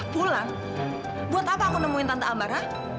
pulang buat apa aku nemuin tante ambar ya